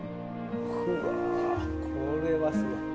うわこれはすごい！